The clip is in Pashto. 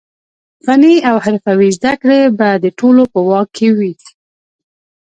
فني او حرفوي زده کړې به د ټولو په واک کې وي.